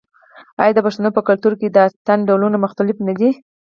آیا د پښتنو په کلتور کې د اتن ډولونه مختلف نه دي؟